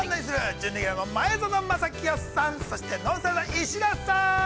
準レギュラーの前園真聖さん、そしてＮＯＮＳＴＹＬＥの石田さん。